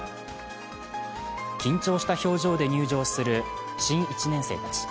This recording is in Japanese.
緊張した表情で入場する新１年生たち。